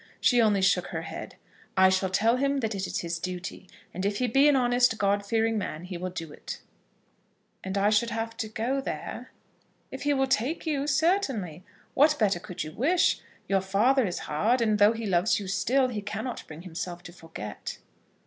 She only shook her head. "I shall tell him that it is his duty, and if he be an honest, God fearing man, he will do it." "And should I have to go there?" "If he will take you certainly. What better could you wish? Your father is hard, and though he loves you still, he cannot bring himself to forget."